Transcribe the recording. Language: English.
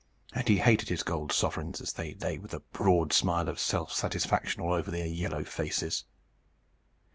And he hated his gold sovereigns, as they lay with a broad smile of self satisfaction all over their yellow faces.